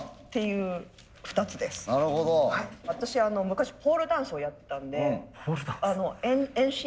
私昔ポールダンスをやってたんで遠心力。